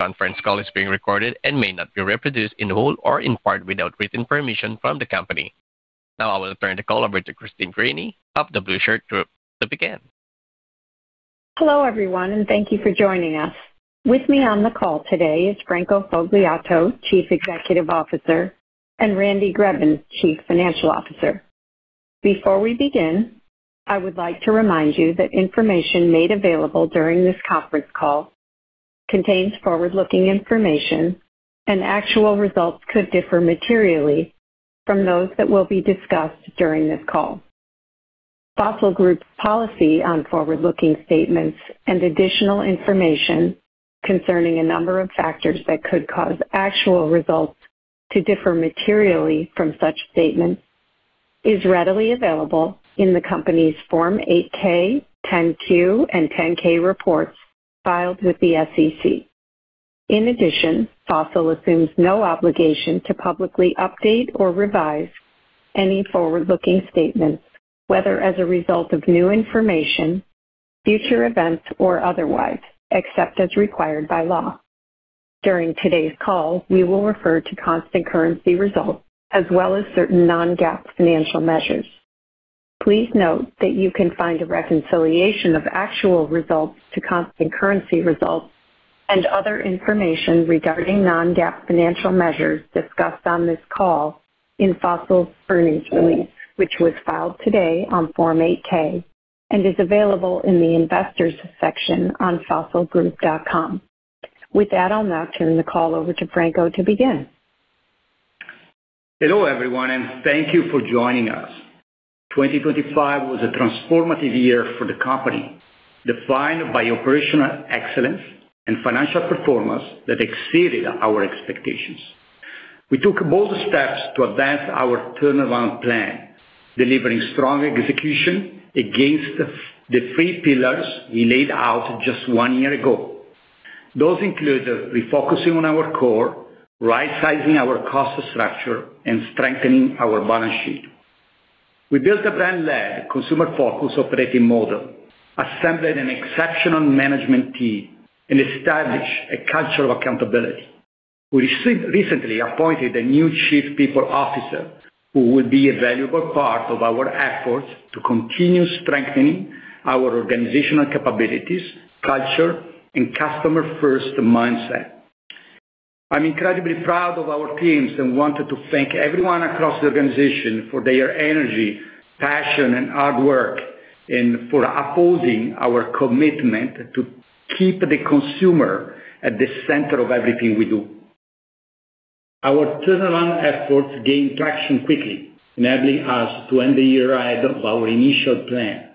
Conference call is being recorded and may not be reproduced in whole or in part without written permission from the company. Now I will turn the call over to Christine Greany of The Blueshirt Group to begin. Hello, everyone, and thank you for joining us. With me on the call today is Franco Fogliato, Chief Executive Officer, and Randy Greben, Chief Financial Officer. Before we begin, I would like to remind you that information made available during this conference call contains forward-looking information, and actual results could differ materially from those that will be discussed during this call. Fossil Group's policy on forward-looking statements and additional information concerning a number of factors that could cause actual results to differ materially from such statements is readily available in the company's Form 8-K, 10-Q, and 10-K reports filed with the SEC. In addition, Fossil assumes no obligation to publicly update or revise any forward-looking statements, whether as a result of new information, future events, or otherwise, except as required by law. During today's call, we will refer to constant currency results as well as certain non-GAAP financial measures. Please note that you can find a reconciliation of actual results to constant currency results and other information regarding non-GAAP financial measures discussed on this call in Fossil's earnings release, which was filed today on Form 8-K and is available in the investors section on fossilgroup.com. With that, I'll now turn the call over to Franco to begin. Hello, everyone, and thank you for joining us. 2025 was a transformative year for the company, defined by operational excellence and financial performance that exceeded our expectations. We took bold steps to advance our turnaround plan, delivering strong execution against the three pillars we laid out just one year ago. Those include refocusing on our core, rightsizing our cost structure, and strengthening our balance sheet. We built a brand-led consumer-focused operating model, assembled an exceptional management team, and established a culture of accountability. We recently appointed a new chief people officer who will be a valuable part of our efforts to continue strengthening our organizational capabilities, culture, and customer-first mindset. I'm incredibly proud of our teams and wanted to thank everyone across the organization for their energy, passion, and hard work, and for upholding our commitment to keep the consumer at the center of everything we do. Our turnaround efforts gained traction quickly, enabling us to end the year ahead of our initial plan.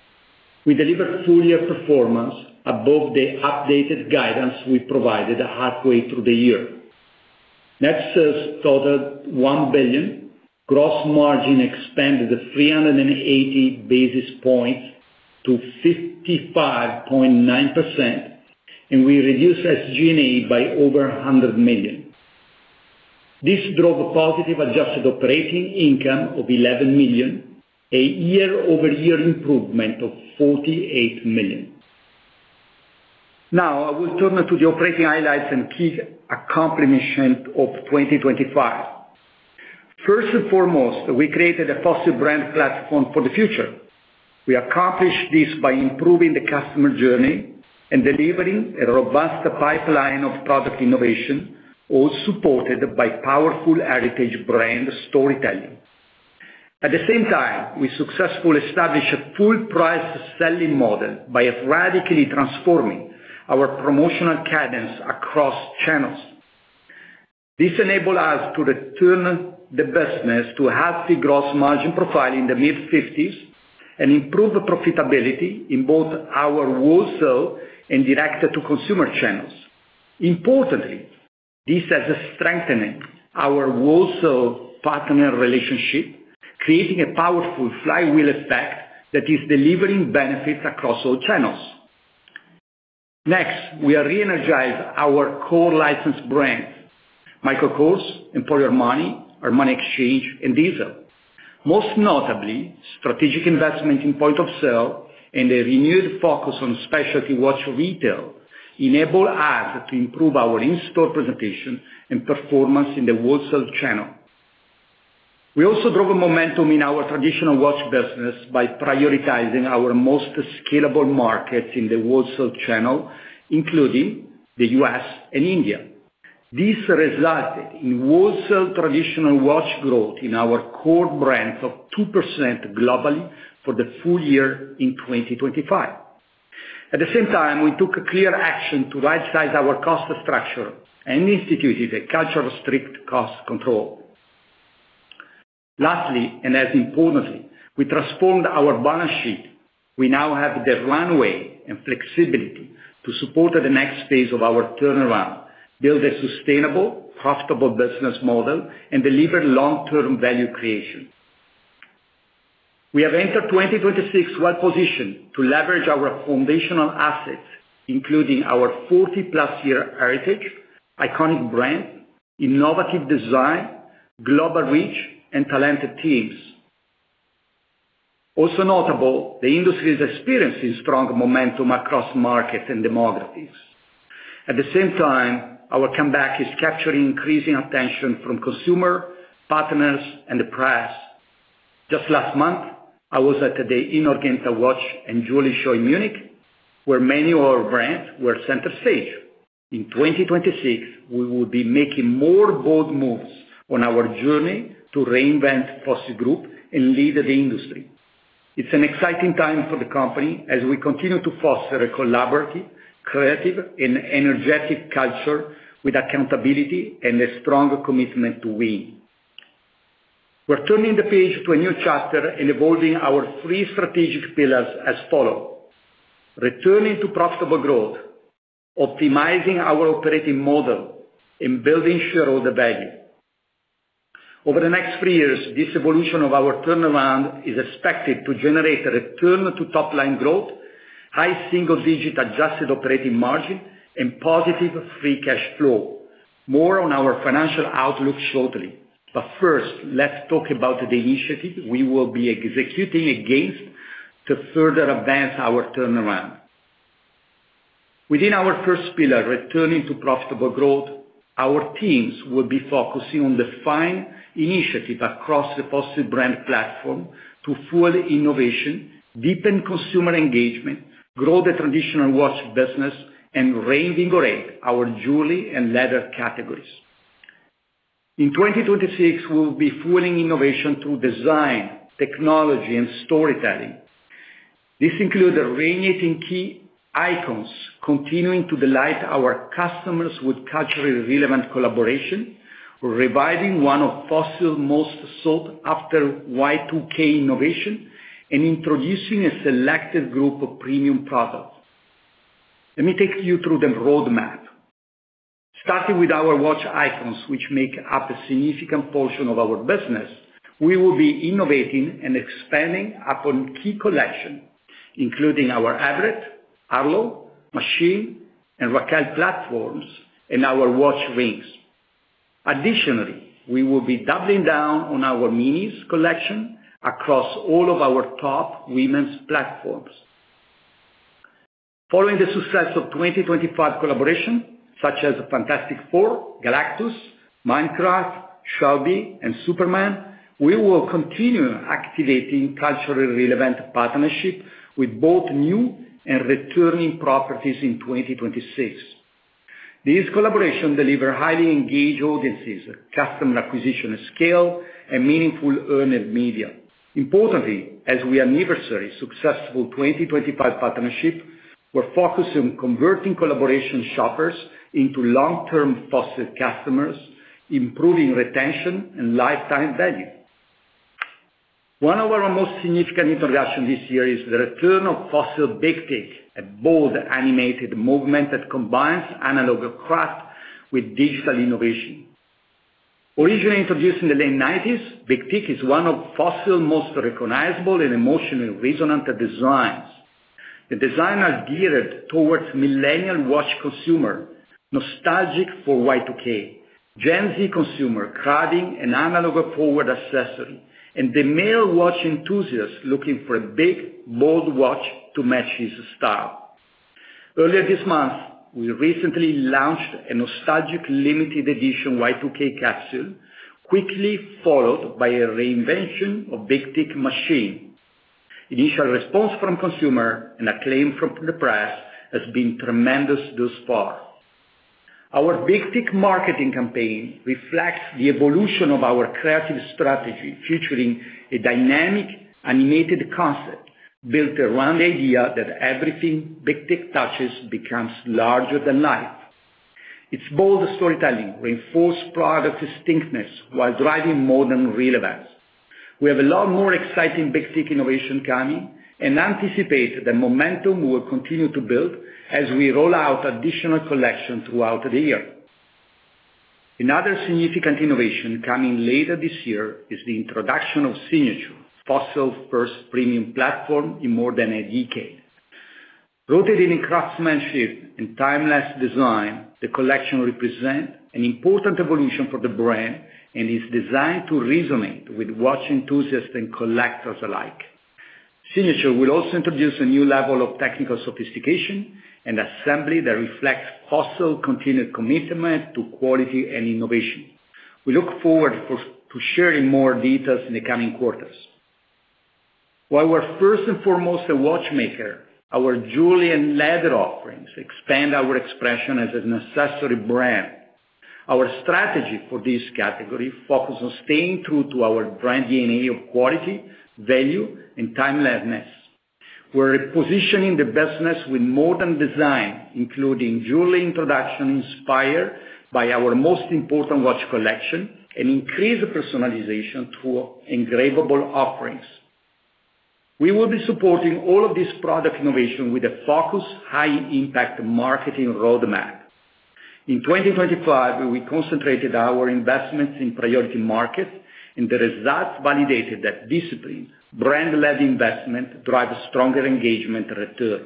We delivered full-year performance above the updated guidance we provided halfway through the year. Net sales totaled $1 billion. Gross margin expanded 380 basis points to 55.9%, and we reduced SG&A by over $100 million. This drove a positive adjusted operating income of $11 million, a year-over-year improvement of $48 million. Now I will turn to the operating highlights and key accomplishments of 2025. First and foremost, we created a Fossil brand platform for the future. We accomplished this by improving the customer journey and delivering a robust pipeline of product innovation, all supported by powerful heritage brand storytelling. At the same time, we successfully established a full price selling model by radically transforming our promotional cadence across channels. This enables us to return the business to a healthy gross margin profile in the mid-fifties and improve profitability in both our wholesale and direct-to-consumer channels. Importantly, this has strengthened our wholesale partner relationship, creating a powerful flywheel effect that is delivering benefits across all channels. Next, we are re-energizing our core licensed brands, Michael Kors, Emporio Armani Exchange, and Diesel. Most notably, strategic investment in point of sale and a renewed focus on specialty watch retail enable us to improve our in-store presentation and performance in the wholesale channel. We also drove a momentum in our traditional watch business by prioritizing our most scalable markets in the wholesale channel, including the U.S. and India. This resulted in wholesale traditional watch growth in our core brands of 2% globally for the full year in 2025. At the same time, we took clear action to rightsize our cost structure and instituted a culture of strict cost control. Lastly, and as importantly, we transformed our balance sheet. We now have the runway and flexibility to support the next phase of our turnaround, build a sustainable, profitable business model, and deliver long-term value creation. We have entered 2026 well-positioned to leverage our foundational assets, including our 40+ year heritage, iconic brand, innovative design, global reach, and talented teams. Also notable, the industry is experiencing strong momentum across markets and demographics. At the same time, our comeback is capturing increasing attention from consumer, partners, and the press. Just last month, I was at the INHORGENTA watch and jewelry show in Munich, where many of our brands were center stage. In 2026, we will be making more bold moves on our journey to reinvent Fossil Group and lead the industry. It's an exciting time for the company as we continue to foster a collaborative, creative, and energetic culture with accountability and a strong commitment to win. We're turning the page to a new chapter in evolving our three strategic pillars as follows, returning to profitable growth, optimizing our operating model, and building shareholder value. Over the next three years, this evolution of our turnaround is expected to generate a return to top line growth, high single-digit adjusted operating margin, and positive free cash flow. More on our financial outlook shortly, but first, let's talk about the initiative we will be executing against to further advance our turnaround. Within our first pillar, returning to profitable growth, our teams will be focusing on defined initiative across the Fossil brand platform to fuel innovation, deepen consumer engagement, grow the traditional watch business, and reinvigorate our jewelry and leather categories. In 2026, we'll be fueling innovation through design, technology, and storytelling. This includes reigniting key icons, continuing to delight our customers with culturally relevant collaboration. We're reviving one of Fossil most sought after Y2K innovation and introducing a selected group of premium products. Let me take you through the roadmap. Starting with our watch icons, which make up a significant portion of our business, we will be innovating and expanding upon key collection, including our Everett, Harlow, Machine, and Raquel platforms, and our watch rings. Additionally, we will be doubling down on our Minis collection across all of our top women's platforms. Following the success of 2025 collaborations, such as Fantastic Four, Galactus, Minecraft, Shelby, and Superman, we will continue activating culturally relevant partnerships with both new and returning properties in 2026. These collaborations deliver highly engaged audiences, customer acquisition scale, and meaningful earned media. Importantly, as we anniversary successful 2025 partnerships, we're focused on converting collaboration shoppers into long-term Fossil customers, improving retention and lifetime value. One of our most significant introductions this year is the return of Fossil Big Tic, a bold animated movement that combines analog craft with digital innovation. Originally introduced in the late 1990s, Big Tic is one of Fossil's most recognizable and emotionally resonant designs. The designs are geared toward millennial watch consumers nostalgic for Y2K, Gen Z consumers craving an analog-forward accessory, and the male watch enthusiast looking for a big, bold watch to match his style. Earlier this month, we recently launched a nostalgic limited edition Y2K capsule, quickly followed by a reinvention of Big Tic Machine. Initial response from consumer and acclaim from the press has been tremendous thus far. Our Big Tic marketing campaign reflects the evolution of our creative strategy, featuring a dynamic animated concept built around the idea that everything Big Tic touches becomes larger than life. Its bold storytelling reinforce product distinctness while driving modern relevance. We have a lot more exciting Big Tic innovation coming and anticipate the momentum will continue to build as we roll out additional collection throughout the year. Another significant innovation coming later this year is the introduction of Signature, Fossil's first premium platform in more than a decade. Rooted in craftsmanship and timeless design, the collection represent an important evolution for the brand and is designed to resonate with watch enthusiasts and collectors alike. Signature will also introduce a new level of technical sophistication and assembly that reflects Fossil continued commitment to quality and innovation. We look forward to sharing more details in the coming quarters. While we're first and foremost a watchmaker, our jewelry and leather offerings expand our expression as an accessory brand. Our strategy for this category focus on staying true to our brand DNA of quality, value, and timelessness. We're repositioning the business with modern design, including jewelry introduction inspired by our most important watch collection and increased personalization through engravable offerings. We will be supporting all of this product innovation with a focused high impact marketing roadmap. In 2025, we concentrated our investments in priority markets, and the results validated that discipline, brand-led investment drive stronger engagement return.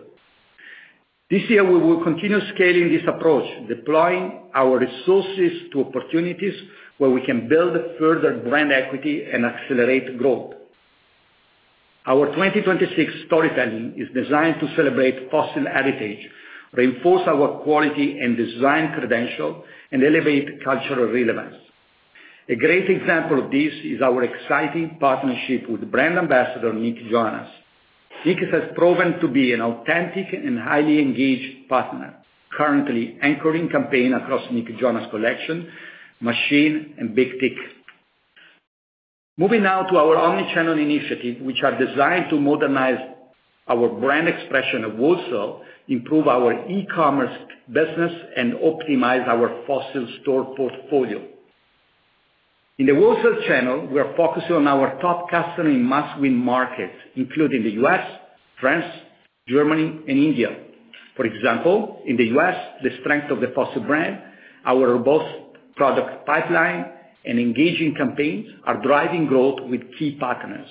This year, we will continue scaling this approach, deploying our resources to opportunities where we can build further brand equity and accelerate growth. Our 2026 storytelling is designed to celebrate Fossil heritage, reinforce our quality and design credential, and elevate cultural relevance. A great example of this is our exciting partnership with brand ambassador Nick Jonas. Nick has proven to be an authentic and highly engaged partner, currently anchoring campaign across Nick Jonas collection, Machine and Big Tic. Moving now to our omni-channel initiative, which are designed to modernize our brand expression in wholesale, improve our e-commerce business, and optimize our Fossil store portfolio. In the wholesale channel, we are focusing on our top customer in must-win markets, including the U.S., France, Germany and India. For example, in the U.S., the strength of the Fossil brand, our robust product pipeline and engaging campaigns are driving growth with key partners.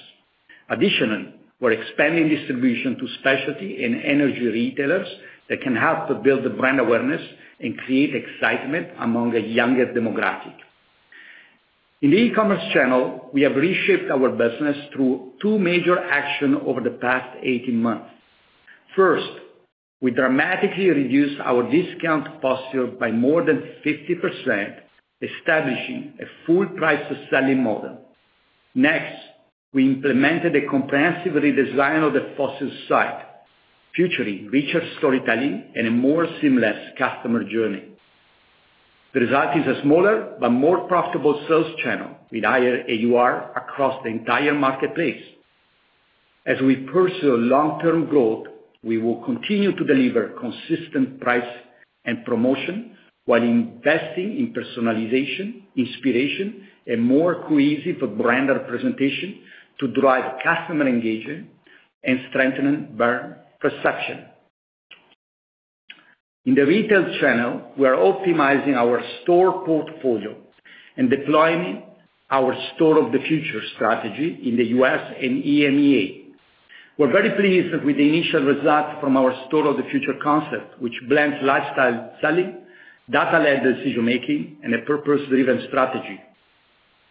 Additionally, we're expanding distribution to specialty and edgy retailers that can help to build the brand awareness and create excitement among a younger demographic. In the e-commerce channel, we have reshaped our business through two major actions over the past 18 months. First, we dramatically reduced our discount posture by more than 50%, establishing a full price selling model. Next, we implemented a comprehensive redesign of the Fossil site, featuring richer storytelling and a more seamless customer journey. The result is a smaller but more profitable sales channel with higher AUR across the entire marketplace. As we pursue long-term growth, we will continue to deliver consistent pricing and promotions while investing in personalization, inspiration, and more cohesive brand representation to drive customer engagement and strengthening brand perception. In the retail channel, we are optimizing our store portfolio and deploying our store of the future strategy in the U.S. and EMEA. We're very pleased with the initial results from our store of the future concept, which blends lifestyle selling, data-led decision making, and a purpose-driven strategy.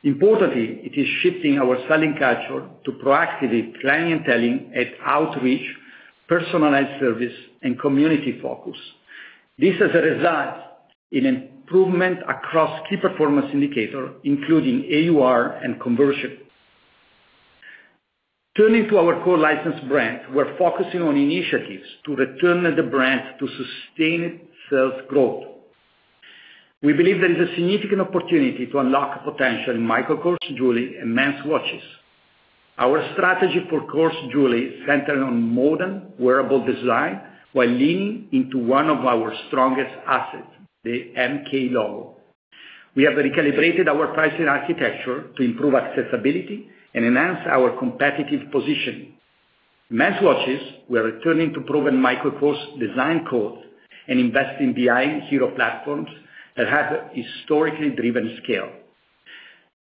Importantly, it is shifting our selling culture to proactive clienteling and outreach, personalized service and community focus. This has resulted in improvements across key performance indicators, including AUR and conversion. Turning to our core licensed brand, we're focusing on initiatives to return the brand to sustained sales growth. We believe there is a significant opportunity to unlock potential in Michael Kors jewelry and men's watches. Our strategy for Kors jewelry is centered on modern wearable design while leaning into one of our strongest assets, the MK logo. We have recalibrated our pricing architecture to improve accessibility and enhance our competitive position. Men's watches, we are returning to proven Michael Kors design codes and investing behind hero platforms that have historically driven scale.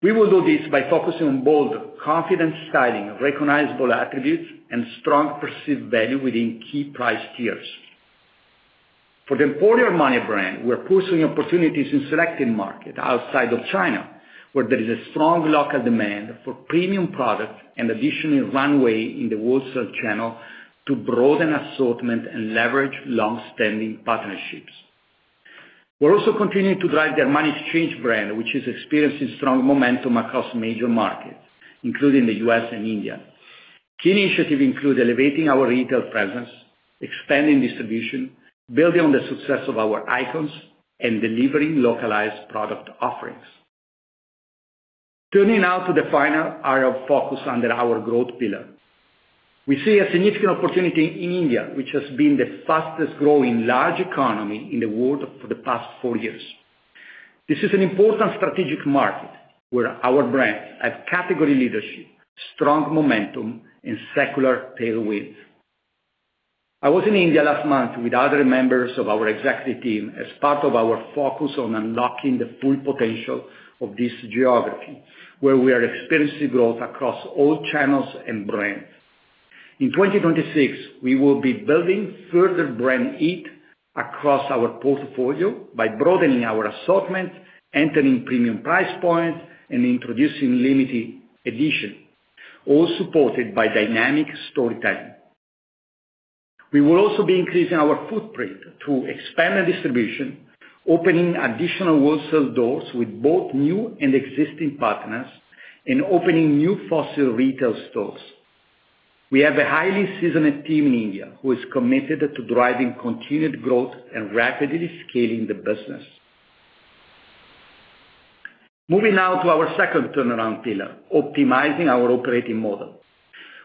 We will do this by focusing on bold, confident styling, recognizable attributes, and strong perceived value within key price tiers. For the Emporio Armani brand, we're pursuing opportunities in selected market outside of China, where there is a strong local demand for premium products and additional runway in the wholesale channel to broaden assortment and leverage long-standing partnerships. We're also continuing to drive the Armani Exchange brand, which is experiencing strong momentum across major markets, including the U.S. and India. Key initiatives include elevating our retail presence, expanding distribution, building on the success of our icons, and delivering localized product offerings. Turning now to the final area of focus under our growth pillar. We see a significant opportunity in India, which has been the fastest growing large economy in the world for the past four years. This is an important strategic market where our brands have category leadership, strong momentum, and secular tailwinds. I was in India last month with other members of our executive team as part of our focus on unlocking the full potential of this geography, where we are experiencing growth across all channels and brands. In 2026, we will be building further brand heat across our portfolio by broadening our assortment, entering premium price points, and introducing limited edition, all supported by dynamic storytelling. We will also be increasing our footprint to expand the distribution, opening additional wholesale doors with both new and existing partners, and opening new Fossil retail stores. We have a highly seasoned team in India who is committed to driving continued growth and rapidly scaling the business. Moving now to our second turnaround pillar, optimizing our operating model.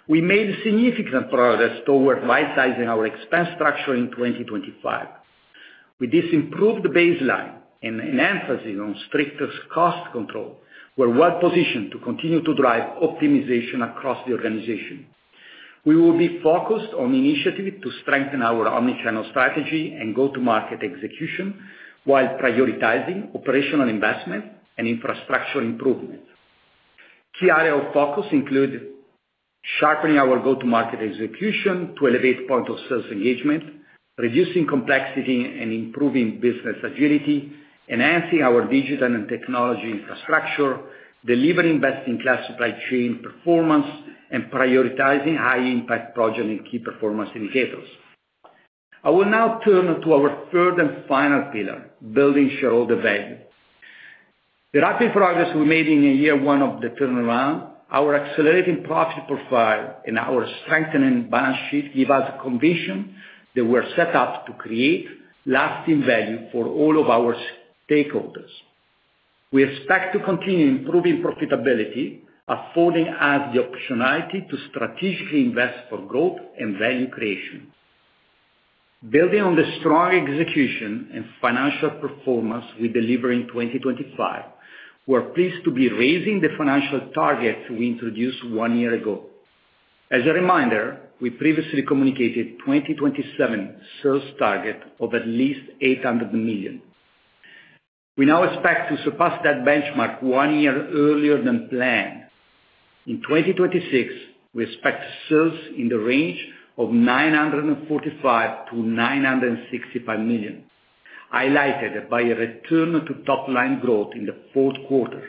We made significant progress towards rightsizing our expense structure in 2025. With this improved baseline and an emphasis on stricter cost control, we're well positioned to continue to drive optimization across the organization. We will be focused on initiatives to strengthen our omni-channel strategy and go-to-market execution while prioritizing operational investment and infrastructure improvements. Key area of focus include sharpening our go-to-market execution to elevate point of sales engagement, reducing complexity and improving business agility, enhancing our digital and technology infrastructure, delivering best-in-class supply chain performance, and prioritizing high impact projects and key performance indicators. I will now turn to our third and final pillar, building shareholder value. The rapid progress we made in year one of the turnaround, our accelerating profit profile, and our strengthening balance sheet give us conviction that we're set up to create lasting value for all of our stakeholders. We expect to continue improving profitability, affording us the optionality to strategically invest for growth and value creation. Building on the strong execution and financial performance we deliver in 2025, we're pleased to be raising the financial targets we introduced one year ago. As a reminder, we previously communicated 2027 sales target of at least $800 million. We now expect to surpass that benchmark one year earlier than planned. In 2026, we expect sales in the range of $945 million-$965 million, highlighted by a return to top-line growth in the fourth quarter.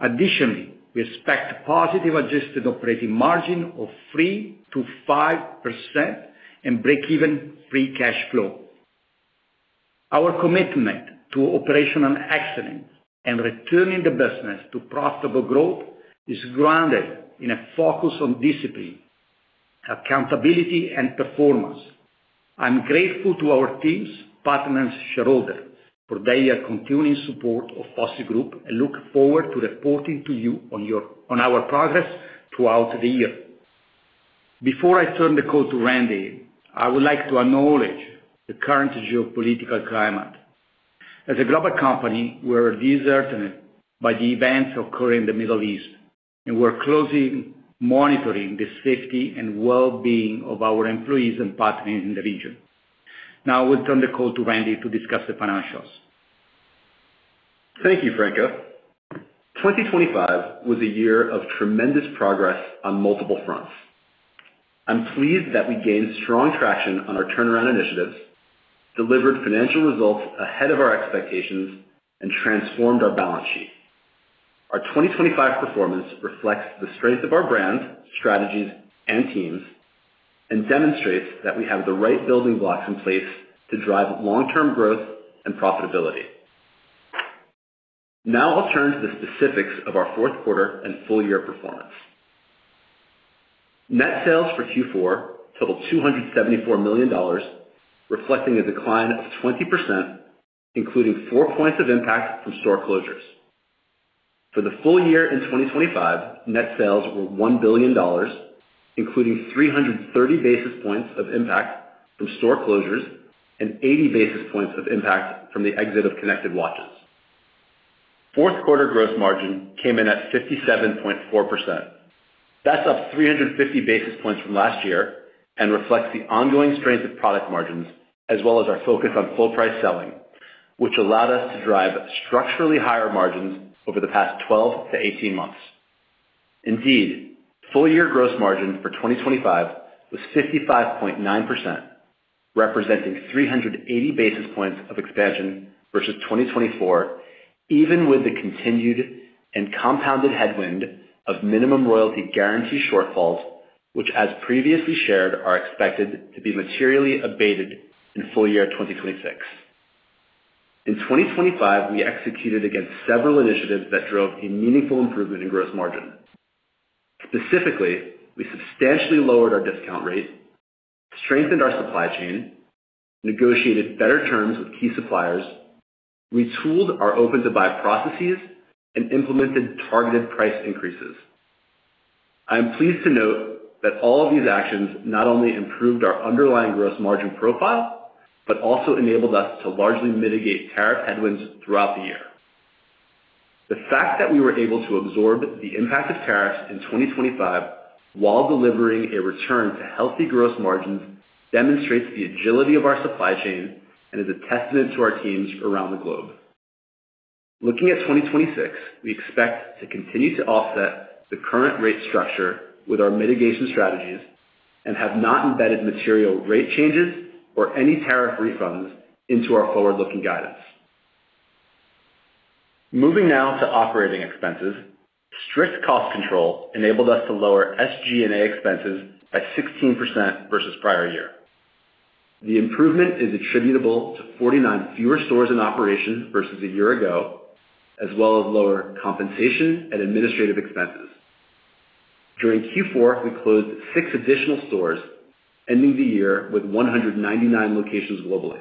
Additionally, we expect positive adjusted operating margin of 3%-5% and break-even free cash flow. Our commitment to operational excellence and returning the business to profitable growth is grounded in a focus on discipline, accountability, and performance. I'm grateful to our teams, partners, shareholders for their continuing support of Fossil Group, and look forward to reporting to you on our progress throughout the year. Before I turn the call to Randy, I would like to acknowledge the current geopolitical climate. As a global company, we're disheartened by the events occurring in the Middle East, and we're closely monitoring the safety and well-being of our employees and partners in the region. Now I will turn the call to Randy to discuss the financials. Thank you, Franco. 2025 was a year of tremendous progress on multiple fronts. I'm pleased that we gained strong traction on our turnaround initiatives, delivered financial results ahead of our expectations, and transformed our balance sheet. Our 2025 performance reflects the strength of our brands, strategies, and teams, and demonstrates that we have the right building blocks in place to drive long-term growth and profitability. Now I'll turn to the specifics of our fourth quarter and full year performance. Net sales for Q4 totaled $274 million, reflecting a decline of 20%, including four points of impact from store closures. For the full year in 2025, net sales were $1 billion, including 330 basis points of impact from store closures and 80 basis points of impact from the exit of connected watches. Fourth quarter gross margin came in at 57.4%. That's up 350 basis points from last year and reflects the ongoing strength of product margins as well as our focus on full price selling, which allowed us to drive structurally higher margins over the past 12-18 months. Indeed, full year gross margin for 2025 was 55.9%, representing 380 basis points of expansion versus 2024, even with the continued and compounded headwind of minimum royalty guarantee shortfalls, which, as previously shared, are expected to be materially abated in full year 2026. In 2025, we executed against several initiatives that drove a meaningful improvement in gross margin. Specifically, we substantially lowered our discount rate, strengthened our supply chain, negotiated better terms with key suppliers, retooled our open to buy processes, and implemented targeted price increases. I am pleased to note that all of these actions not only improved our underlying gross margin profile, but also enabled us to largely mitigate tariff headwinds throughout the year. The fact that we were able to absorb the impact of tariffs in 2025 while delivering a return to healthy gross margins demonstrates the agility of our supply chain and is a testament to our teams around the globe. Looking at 2026, we expect to continue to offset the current rate structure with our mitigation strategies and have not embedded material rate changes or any tariff refunds into our forward-looking guidance. Moving now to operating expenses. Strict cost control enabled us to lower SG&A expenses by 16% versus prior year. The improvement is attributable to 49 fewer stores in operation versus a year ago, as well as lower compensation and administrative expenses. During Q4, we closed 6 additional stores, ending the year with 199 locations globally.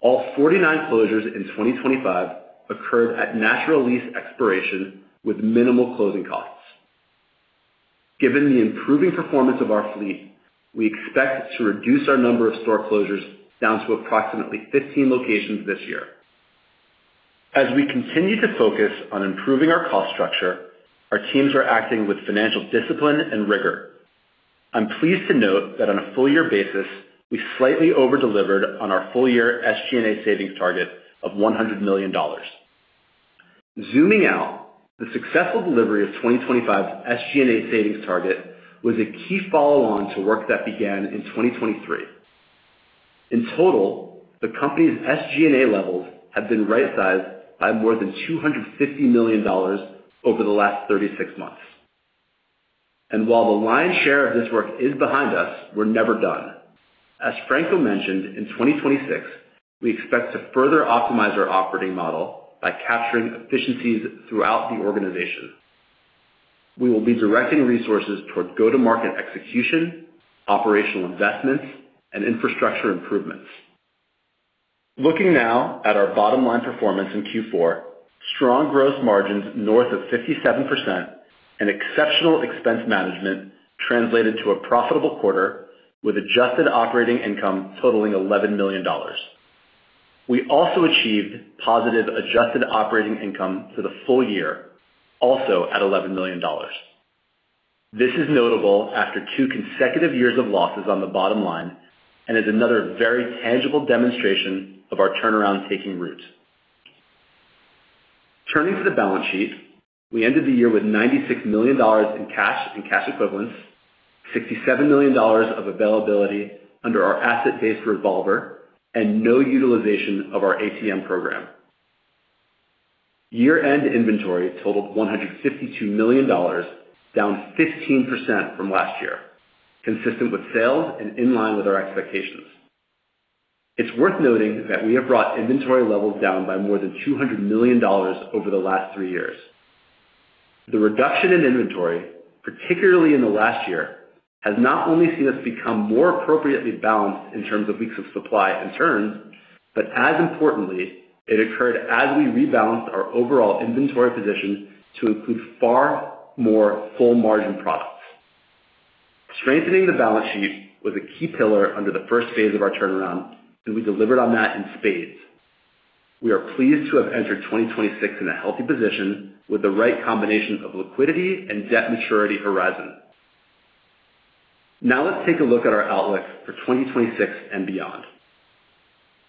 All 49 closures in 2025 occurred at natural lease expiration with minimal closing costs. Given the improving performance of our fleet, we expect to reduce our number of store closures down to approximately 15 locations this year. As we continue to focus on improving our cost structure, our teams are acting with financial discipline and rigor. I'm pleased to note that on a full year basis, we slightly over-delivered on our full year SG&A savings target of $100 million. Zooming out, the successful delivery of 2025's SG&A savings target was a key follow-on to work that began in 2023. In total, the company's SG&A levels have been right-sized by more than $250 million over the last 36 months. While the lion's share of this work is behind us, we're never done. As Franco mentioned, in 2026, we expect to further optimize our operating model by capturing efficiencies throughout the organization. We will be directing resources toward go-to-market execution, operational investments, and infrastructure improvements. Looking now at our bottom line performance in Q4, strong gross margins north of 57% and exceptional expense management translated to a profitable quarter with adjusted operating income totaling $11 million. We also achieved positive adjusted operating income for the full year, also at $11 million. This is notable after two consecutive years of losses on the bottom line and is another very tangible demonstration of our turnaround taking root. Turning to the balance sheet, we ended the year with $96 million in cash and cash equivalents, $67 million of availability under our asset-based revolver, and no utilization of our ATM program. Year-end inventory totaled $152 million, down 15% from last year, consistent with sales and in line with our expectations. It's worth noting that we have brought inventory levels down by more than $200 million over the last three years. The reduction in inventory, particularly in the last year, has not only seen us become more appropriately balanced in terms of weeks of supply and turns, but as importantly, it occurred as we rebalanced our overall inventory position to include far more full-margin products. Strengthening the balance sheet was a key pillar under the first phase of our turnaround, and we delivered on that in spades. We are pleased to have entered 2026 in a healthy position with the right combination of liquidity and debt maturity horizon. Now let's take a look at our outlook for 2026 and beyond.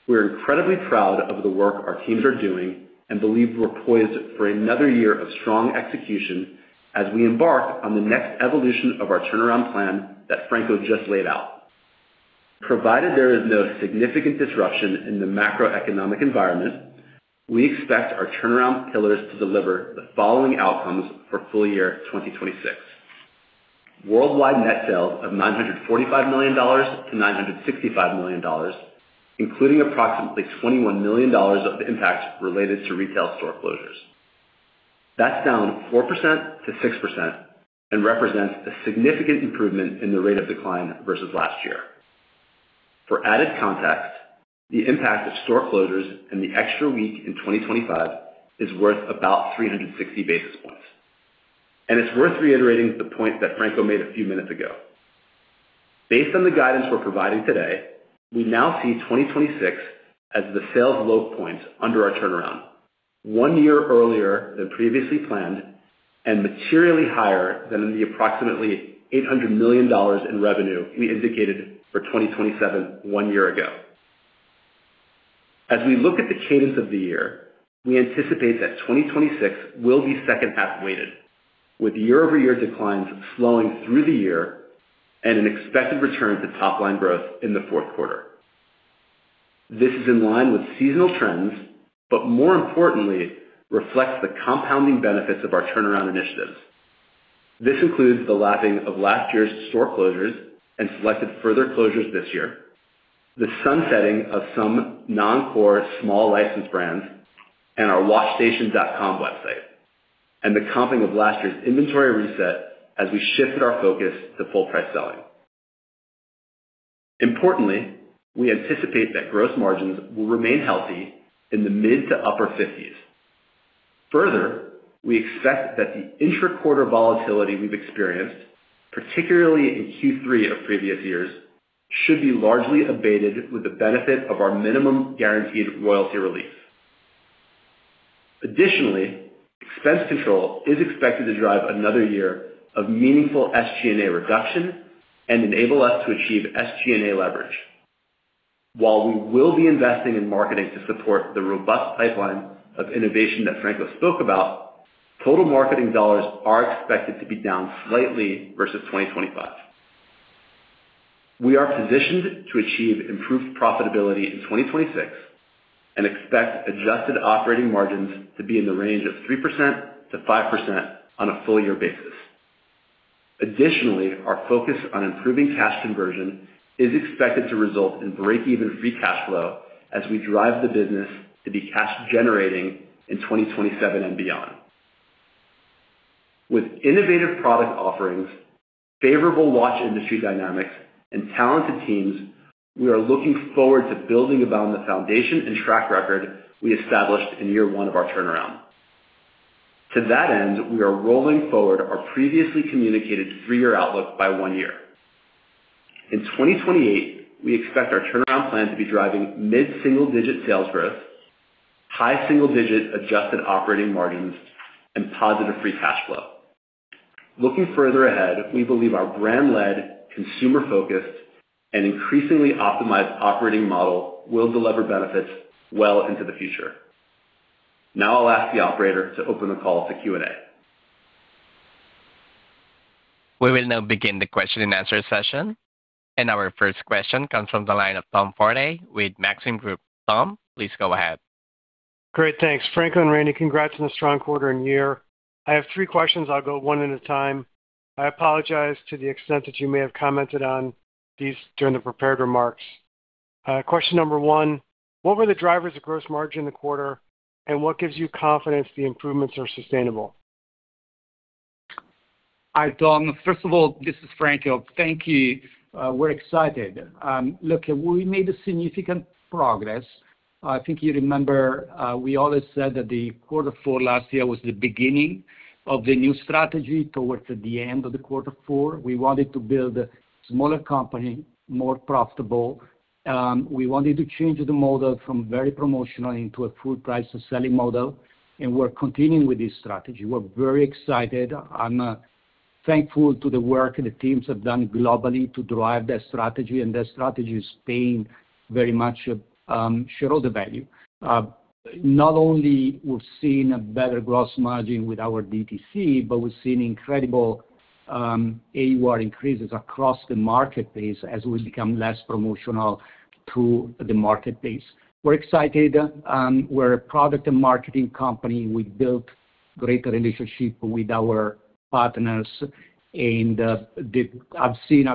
We're incredibly proud of the work our teams are doing and believe we're poised for another year of strong execution as we embark on the next evolution of our turnaround plan that Franco just laid out. Provided there is no significant disruption in the macroeconomic environment, we expect our turnaround pillars to deliver the following outcomes for full year 2026. Worldwide net sales of $945 million-$965 million, including approximately $21 million of the impact related to retail store closures. That's down 4%-6% and represents a significant improvement in the rate of decline versus last year. For added context, the impact of store closures and the extra week in 2025 is worth about 360 basis points. It's worth reiterating the point that Franco made a few minutes ago. Based on the guidance we're providing today, we now see 2026 as the sales low point under our turnaround one year earlier than previously planned and materially higher than the approximately $800 million in revenue we indicated for 2027 one year ago. As we look at the cadence of the year, we anticipate that 2026 will be second half weighted, with year-over-year declines slowing through the year and an expected return to top line growth in the fourth quarter. This is in line with seasonal trends, but more importantly, reflects the compounding benefits of our turnaround initiatives. This includes the lapping of last year's store closures and selected further closures this year, the sunsetting of some non-core small, licensed brands and our watchstation.com website, and the comping of last year's inventory reset as we shifted our focus to full price selling. Importantly, we anticipate that gross margins will remain healthy in the mid- to upper 50s. Further, we expect that the intra-quarter volatility we've experienced, particularly in Q3 of previous years, should be largely abated with the benefit of our minimum guaranteed royalty relief. Additionally, expense control is expected to drive another year of meaningful SG&A reduction and enable us to achieve SG&A leverage. While we will be investing in marketing to support the robust pipeline of innovation that Franco spoke about, total marketing dollars are expected to be down slightly versus 2025. We are positioned to achieve improved profitability in 2026 and expect adjusted operating margins to be in the range of 3%-5% on a full year basis. Additionally, our focus on improving cash conversion is expected to result in break-even free cash flow as we drive the business to be cash generating in 2027 and beyond. With innovative product offerings, favorable watch industry dynamics, and talented teams, we are looking forward to building upon the foundation and track record we established in year one of our turnaround. To that end, we are rolling forward our previously communicated three-year outlook by one year. In 2028, we expect our turnaround plan to be driving mid-single-digit sales growth. High single-digit adjusted operating margins and positive free cash flow. Looking further ahead, we believe our brand-led, consumer-focused, and increasingly optimized operating model will deliver benefits well into the future. Now I'll ask the operator to open the call to Q&A. We will now begin the question-and-answer session. Our first question comes from the line of Tom Forte with Maxim Group. Tom, please go ahead. Great, thanks. Franco and Randy, congrats on a strong quarter and year. I have three questions. I'll go one at a time. I apologize to the extent that you may have commented on these during the prepared remarks. Question number one, what were the drivers of gross margin in the quarter, and what gives you confidence the improvements are sustainable? Hi, Tom. First of all, this is Franco. Thank you. We're excited. We made a significant progress. I think you remember, we always said that the quarter four last year was the beginning of the new strategy towards the end of the quarter four. We wanted to build a smaller company, more profitable. We wanted to change the model from very promotional into a full price and selling model, and we're continuing with this strategy. We're very excited. I'm thankful to the work the teams have done globally to drive that strategy, and that strategy is paying very much shareholder value. Not only we've seen a better gross margin with our DTC, but we've seen incredible AUR increases across the marketplace as we become less promotional to the marketplace. We're excited. We're a product and marketing company. We built great relationship with our partners. I've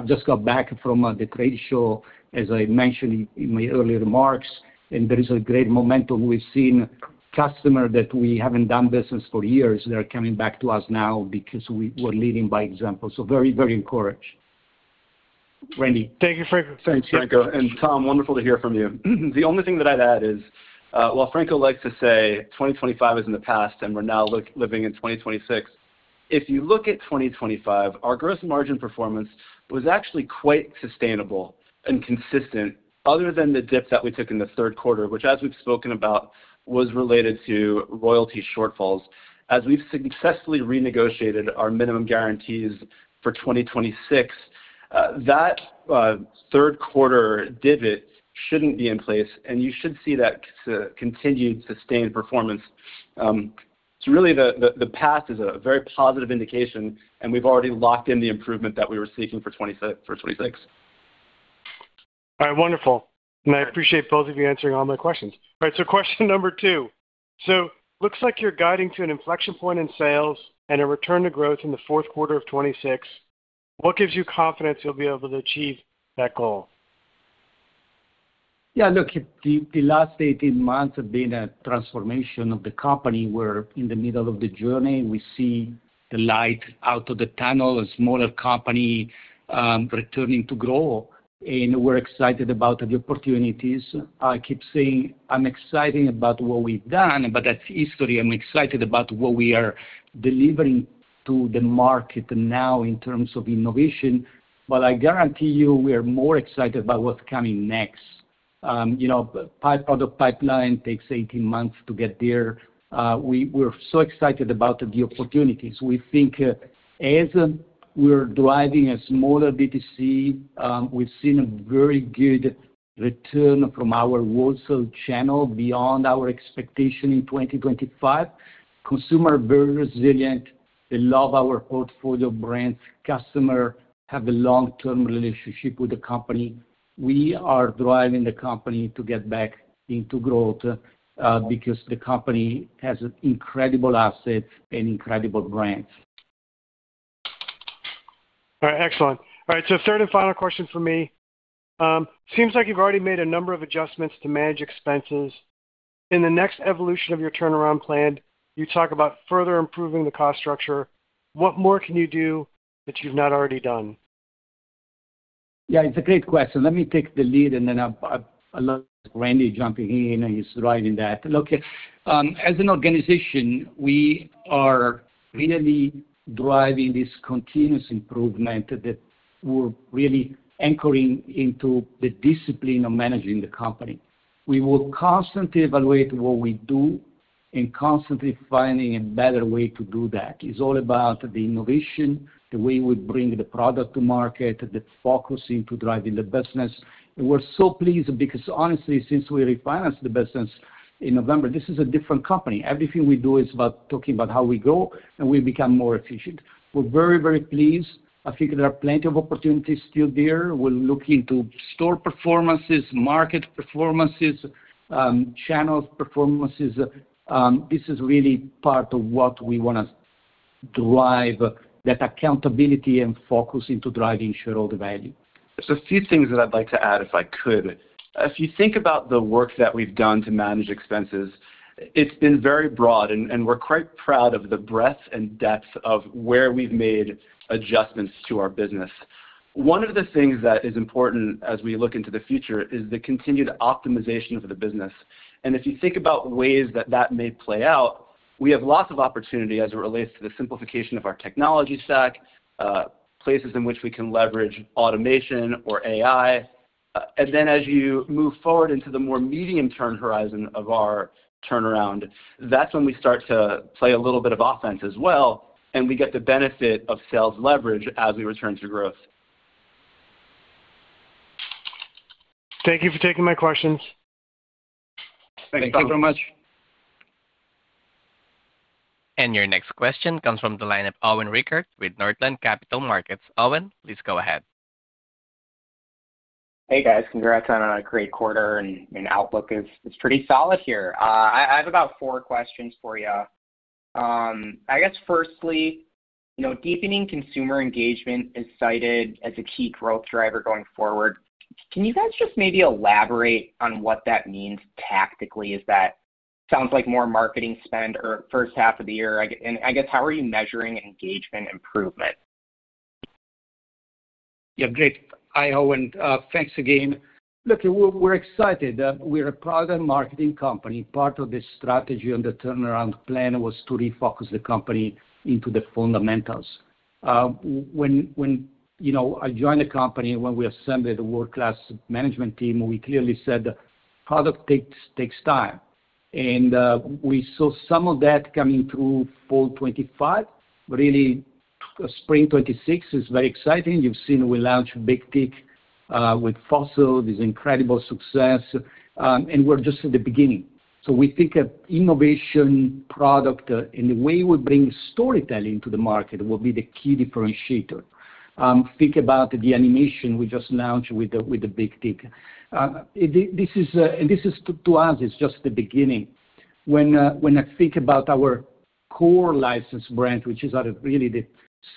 just got back from the trade show, as I mentioned in my earlier remarks, and there is a great momentum. We've seen customer that we haven't done business for years. They're coming back to us now because we're leading by example. Very, very encouraged. Randy? Thank you, Franco. Thanks, Franco. Tom, wonderful to hear from you. The only thing that I'd add is while Franco likes to say 2025 is in the past and we're now living in 2026, if you look at 2025, our gross margin performance was actually quite sustainable and consistent other than the dip that we took in the third quarter, which as we've spoken about, was related to royalty shortfalls. As we've successfully renegotiated our minimum guarantees for 2026, that third quarter divot shouldn't be in place, and you should see that continued sustained performance. Really, the path is a very positive indication, and we've already locked in the improvement that we were seeking for 2026. All right, wonderful. I appreciate both of you answering all my questions. All right, question number two. Looks like you're guiding to an inflection point in sales and a return to growth in the fourth quarter of 2026. What gives you confidence you'll be able to achieve that goal? Yeah. Look, the last 18 months have been a transformation of the company. We're in the middle of the journey. We see the light out of the tunnel, a smaller company, returning to grow, and we're excited about the opportunities. I keep saying I'm excited about what we've done, but that's history. I'm excited about what we are delivering to the market now in terms of innovation. I guarantee you, we are more excited about what's coming next. You know, part of the pipeline takes 18 months to get there. We're so excited about the opportunities. We think as we're driving a smaller DTC, we've seen a very good return from our wholesale channel beyond our expectation in 2025. Consumer are very resilient. They love our portfolio brands. Customer have a long-term relationship with the company. We are driving the company to get back into growth, because the company has incredible assets and incredible brands. All right, excellent. All right, third and final question for me. Seems like you've already made a number of adjustments to manage expenses. In the next evolution of your turnaround plan, you talk about further improving the cost structure. What more can you do that you've not already done? Yeah, it's a great question. Let me take the lead, and then Randy jumping in, and he's right in that. Look, as an organization, we are really driving this continuous improvement that we're really anchoring into the discipline of managing the company. We will constantly evaluate what we do and constantly finding a better way to do that. It's all about the innovation, the way we bring the product to market, the focusing to driving the business. We're so pleased because honestly, since we refinanced the business in November, this is a different company. Everything we do is about talking about how we grow and we become more efficient. We're very, very pleased. I think there are plenty of opportunities still there. We're looking to store performances, market performances, channels performances. This is really part of what we wanna drive that accountability and focus into driving shareholder value. Just a few things that I'd like to add, if I could. If you think about the work that we've done to manage expenses, it's been very broad, and we're quite proud of the breadth and depth of where we've made adjustments to our business. One of the things that is important as we look into the future is the continued optimization of the business. If you think about ways that that may play out, we have lots of opportunity as it relates to the simplification of our technology stack, places in which we can leverage automation or AI. Then as you move forward into the more medium-term horizon of our turnaround, that's when we start to play a little bit of offense as well, and we get the benefit of sales leverage as we return to growth. Thank you for taking my questions. Thank you. Thank you so much. Your next question comes from the line of Owen Rickert with Northland Capital Markets. Owen, please go ahead. Hey, guys. Congrats on a great quarter and outlook is pretty solid here. I have about four questions for you. I guess firstly, you know, deepening consumer engagement is cited as a key growth driver going forward. Can you guys just maybe elaborate on what that means tactically? Is that? Sounds like more marketing spend or first half of the year. I guess, how are you measuring engagement improvement? Yeah, great. Hi, Owen. Thanks again. Look, we're excited. We're a product marketing company. Part of the strategy and the turnaround plan was to refocus the company into the fundamentals. When you know I joined the company, when we assembled a world-class management team, we clearly said product takes time. We saw some of that coming through fall 2025, but really spring 2026 is very exciting. You've seen we launched Big Tic with Fossil, this incredible success, and we're just at the beginning. We think of innovation product and the way we bring storytelling to the market will be the key differentiator. Think about the animation we just launched with the Big Tic. This is, to us, it's just the beginning. When I think about our core licensed brand, which is really the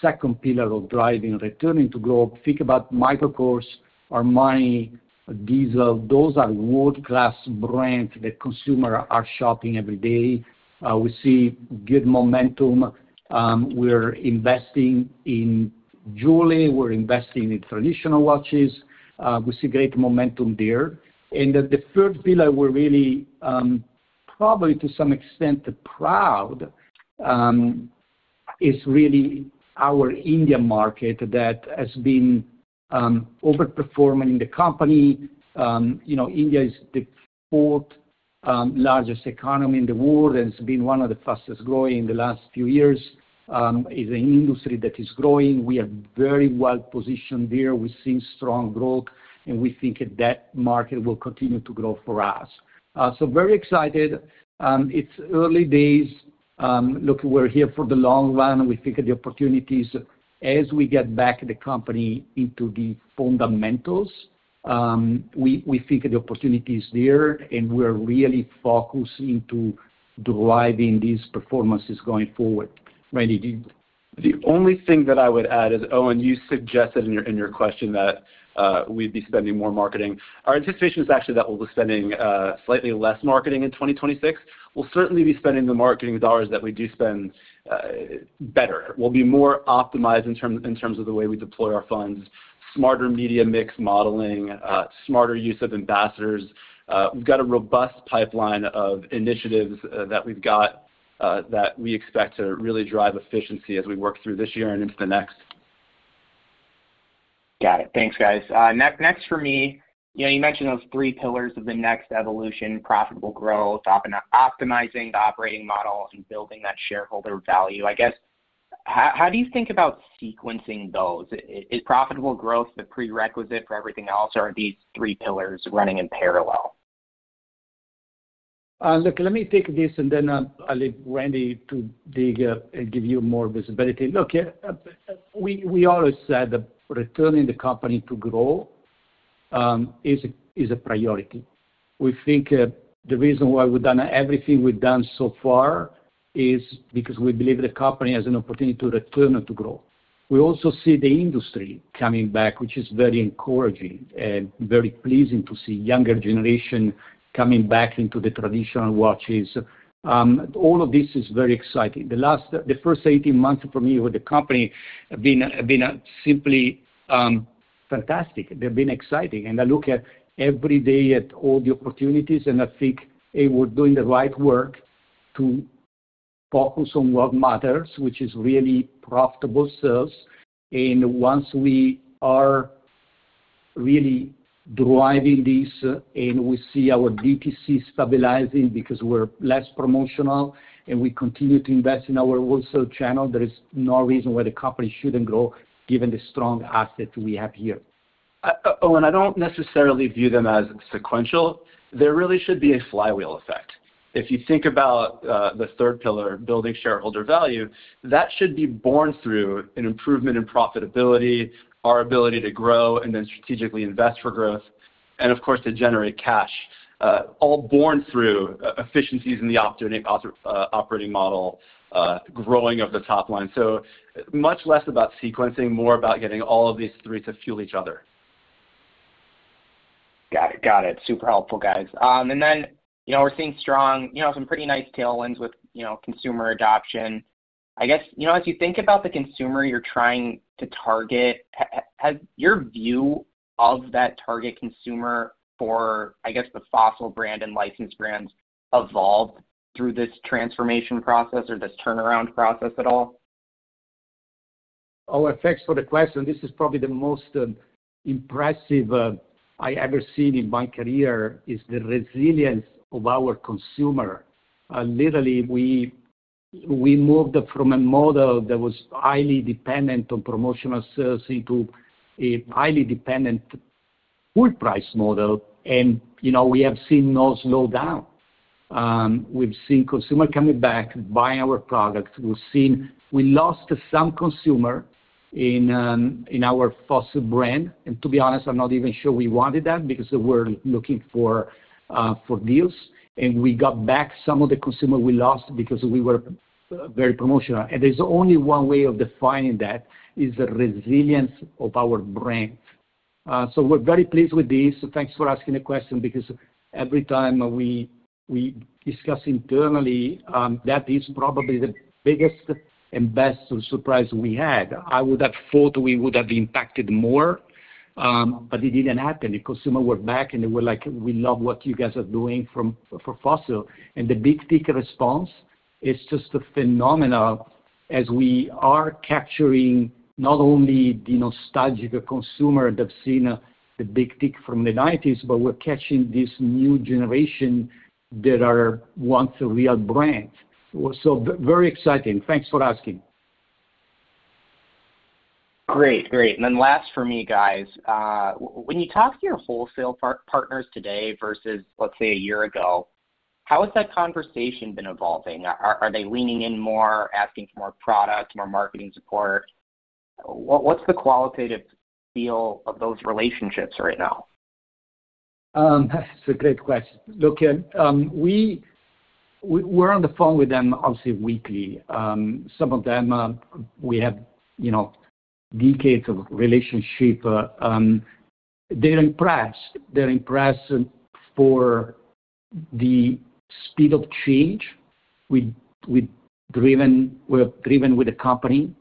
second pillar of driving, returning to growth, think about Michael Kors, Armani, Diesel, those are world-class brands that consumers are shopping every day. We see good momentum. We're investing in jewelry, we're investing in traditional watches. We see great momentum there. The third pillar we're really probably to some extent proud is really our India market that has been overperforming the company. You know, India is the fourth largest economy in the world and it's been one of the fastest growing in the last few years. Is an industry that is growing. We are very well positioned there. We've seen strong growth, and we think that market will continue to grow for us. Very excited. It's early days. Look, we're here for the long run. We think of the opportunities as we get back the company into the fundamentals, we think the opportunity is there, and we're really focusing to driving these performances going forward. Randy, the only thing that I would add is, Owen, you suggested in your question that we'd be spending more marketing. Our anticipation is actually that we'll be spending slightly less marketing in 2026. We'll certainly be spending the marketing dollars that we do spend better. We'll be more optimized in terms of the way we deploy our funds, smarter media mix modeling, smarter use of ambassadors. We've got a robust pipeline of initiatives that we expect to really drive efficiency as we work through this year and into the next. Got it. Thanks, guys. Next for me, you know, you mentioned those three pillars of the next evolution, profitable growth, optimizing the operating model and building that shareholder value. I guess, how do you think about sequencing those? Is profitable growth the prerequisite for everything else, or are these three pillars running in parallel? Look, let me take this, and then I'll leave Randy to dig up and give you more visibility. We always said that returning the company to growth is a priority. We think the reason why we've done everything we've done so far is because we believe the company has an opportunity to return to growth. We also see the industry coming back, which is very encouraging and very pleasing to see younger generation coming back into the traditional watches. All of this is very exciting. The first 18 months for me with the company have been simply fantastic. They've been exciting. I look every day at all the opportunities, and I think that we're doing the right work to focus on what matters, which is really profitable sales. Once we are really driving this and we see our DTC stabilizing because we're less promotional and we continue to invest in our wholesale channel, there is no reason why the company shouldn't grow given the strong assets we have here. Owen, I don't necessarily view them as sequential. There really should be a flywheel effect. If you think about the third pillar, building shareholder value, that should be born through an improvement in profitability, our ability to grow and then strategically invest for growth, and of course, to generate cash, all born through efficiencies in the operating model, growing of the top line. Much less about sequencing, more about getting all of these three to fuel each other. Got it. Super helpful, guys. You know, we're seeing strong, you know, some pretty nice tailwinds with, you know, consumer adoption. I guess, you know, as you think about the consumer you're trying to target, has your view of that target consumer for, I guess, the Fossil brand and licensed brands evolved through this transformation process or this turnaround process at all? Oh, thanks for the question. This is probably the most impressive I ever seen in my career, is the resilience of our consumer. Literally, we moved from a model that was highly dependent on promotional sales into a highly dependent full price model. You know, we have seen no slowdown. We've seen consumer coming back, buying our product. We've seen we lost some consumer in our Fossil brand. To be honest, I'm not even sure we wanted that because they were looking for deals, and we got back some of the consumer we lost because we were very promotional. There's only one way of defining that, is the resilience of our brand. We're very pleased with this. Thanks for asking the question, because every time we discuss internally, that is probably the biggest and best surprise we had. I would have thought we would have been impacted more, but it didn't happen. The consumer were back, and they were like, "We love what you guys are doing from, for Fossil." The Big Tic response is just a phenomena as we are capturing not only the nostalgic consumer that's seen the Big Tic from the nineties, but we're catching this new generation that wants a real brand. Very exciting. Thanks for asking. Great. Great. Last for me, guys. When you talk to your wholesale partners today versus, let's say, a year ago, how has that conversation been evolving? Are they leaning in more, asking for more product, more marketing support? What's the qualitative feel of those relationships right now? That's a great question. Look, we're on the phone with them obviously weekly. Some of them, we have you know decades of relationship. They're impressed. They're impressed for the speed of change we've driven with the company.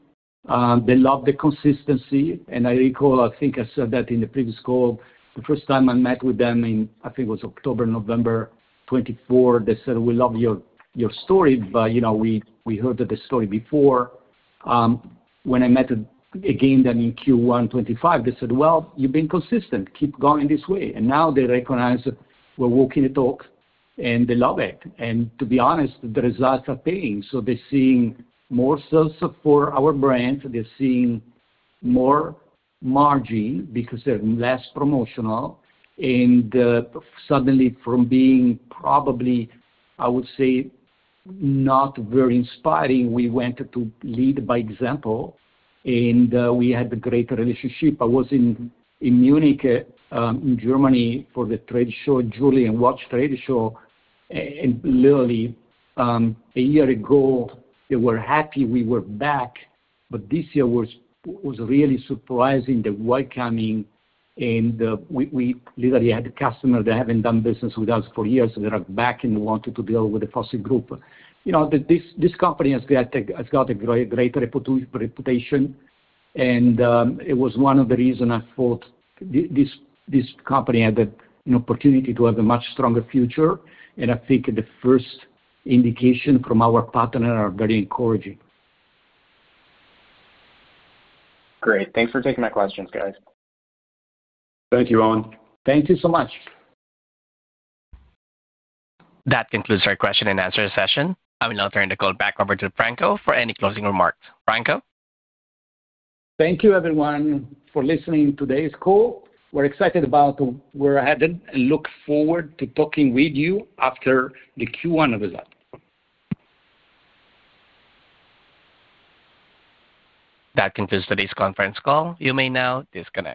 They love the consistency. I recall, I think I said that in the previous call, the first time I met with them in, I think it was October, November 2024, they said, "We love your story, but you know, we heard the story before." When I met again them in Q1 2025, they said, "Well, you've been consistent. Keep going this way." Now they recognize that we're walking the talk, and they love it. To be honest, the results are paying. They're seeing more sales support our brand. They're seeing more margin because they're less promotional. Suddenly from being probably, I would say, not very inspiring, we went to lead by example, and we had a great relationship. I was in Munich in Germany for the trade show, jewelry and watch trade show, and literally a year ago, they were happy we were back, but this year was really surprising, the welcoming and we literally had customers that haven't done business with us for years, they are back and wanted to build with the Fossil Group. You know, this company hast got a great reputation, and it was one of the reason I thought this company had an opportunity to have a much stronger future. I think the first indication from our partner are very encouraging. Great. Thanks for taking my questions, guys. Thank you, Owen. Thank you so much. That concludes our question-and-answer session. I will now turn the call back over to Franco for any closing remarks. Franco? Thank you, everyone, for listening to today's call. We're excited about where we're headed and look forward to talking with you after the Q1 results. That concludes today's conference call. You may now disconnect.